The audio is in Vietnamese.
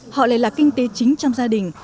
họ lại là kinh tế chính trong gia đình